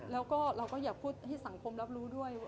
แล้วก็อย่าพูดให้สังเครื่องรับรู้ด้วย